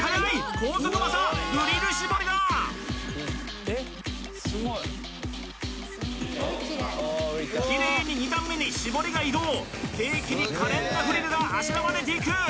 高速技フリル絞りだきれいに２段目に絞りが移動ケーキに可憐なフリルがあしらわれていく！